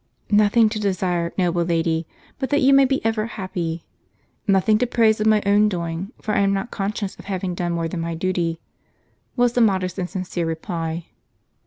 " Nothing to desire, noble lady, but that you may be ever happy; nothing to praise of my own doing, for I am not conscious of having done more than my duty," was the modest and sincere reply.